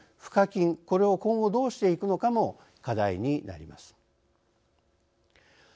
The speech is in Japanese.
これを今後どうしていくのかも課題になります。